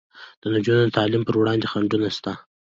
د نجونو د تعلیم پر وړاندې خنډونه شته.